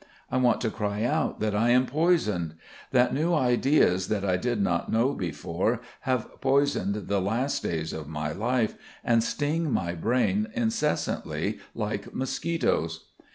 I want to cry out that I am poisoned; that new ideas that I did not know before have poisoned the last days of my life, and sting my brain incessantly like mosquitoes.